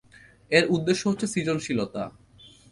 এর উদ্দেশ্য হচ্ছে সৃজনশীলতা।